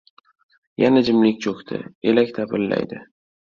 Yana jimlik cho‘kdi. Elak tapillaydi.